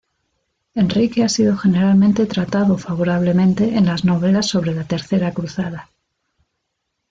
Enrique ha sido generalmente tratado favorablemente en las novelas sobre la Tercera Cruzada.